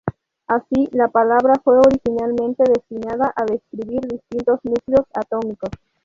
Así, la palabra fue originalmente destinada a describir distintos núcleos atómicos.